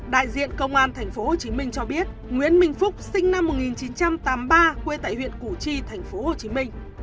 đại diện công an tp hcm cho biết nguyễn minh phúc sinh năm một nghìn chín trăm tám mươi ba quê tại huyện củ chi tp hcm